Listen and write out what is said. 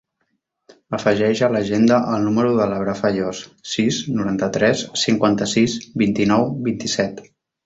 Afegeix a l'agenda el número de l'Abrar Fayos: sis, noranta-tres, cinquanta-sis, vint-i-nou, vint-i-set.